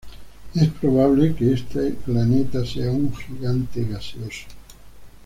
Es probable que este planeta sea un gigante gaseoso.